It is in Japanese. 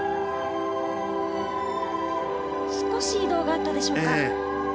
少し移動があったでしょうか。